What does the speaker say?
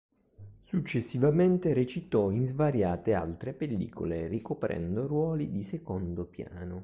Successivamente recitò in svariate altre pellicole ricoprendo ruoli di secondo piano.